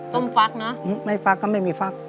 ต้มฟักนะอื้อไม่ฟักก็ไม่มีฟัก